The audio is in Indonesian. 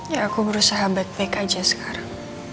ya aku berusaha back back aja sekarang